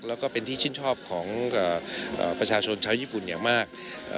แล้วก็เป็นที่ชื่นชอบของประชาชนชาวญี่ปุ่นอย่างมาก